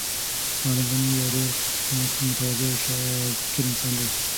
معلم غني یو ډېر متواضع او شاکر انسان دی.